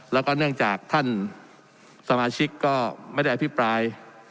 แล้วก็เนื่องจากท่านสมาชิกก็ไม่ได้อภิปราย